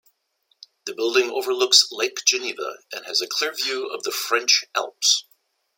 The building overlooks Lake Geneva and has a clear view of the French Alps.